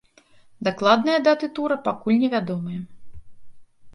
Дакладныя даты тура пакуль невядомыя.